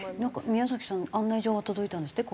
宮崎さん案内状が届いたんですって？